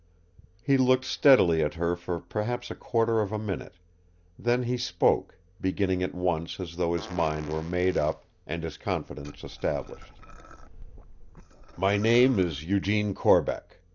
He looked steadily at her for perhaps a quarter of a minute; then he spoke, beginning at once as though his mind were made up and his confidence established: "My name is Eugene Corbeck.